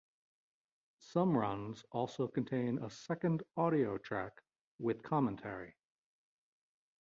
Some runs also contain a second audio track with commentary.